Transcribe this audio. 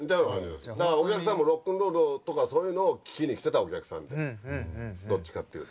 だからお客さんもロックンロールとかそういうのを聴きに来てたお客さんでどっちかっていうと。